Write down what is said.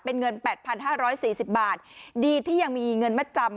เป็นเงินแปดพันห้าร้อยสี่สิบบาทดีที่ยังมีเงินไม่จำ